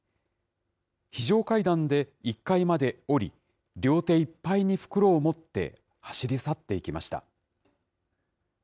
非常階段で１階まで下り、両手いっぱいに袋を持って、走り去っていきました。